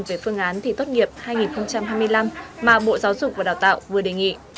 về phương án thi tốt nghiệp hai nghìn hai mươi năm mà bộ giáo dục và đào tạo vừa đề nghị